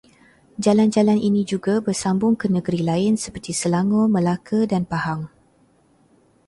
Jalan-jalan ini juga bersambung ke negeri lain seperti Selangor, Melaka dan Pahang